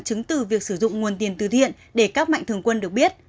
chứng từ việc sử dụng nguồn tiền từ thiện để các mạnh thường quân được biết